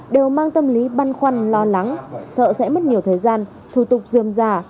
đều mang tâm lý băn khoăn lo lắng sợ sẽ mất nhiều thời gian thủ tục dườm già